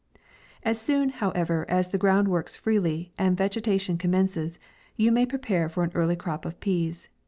As soon, how ever, as the ground works freely, and vege tation commences, you may prepare for an early crop of peas.